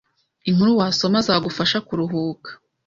inkuru wasoma zagufasha kuruhuka